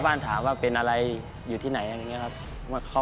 พระอาจารย์วิรัยที่เป็นพระฤาษีชุดข่าว